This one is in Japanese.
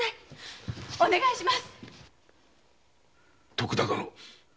徳田殿。